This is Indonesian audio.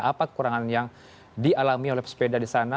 apa kekurangan yang dialami oleh sepeda disana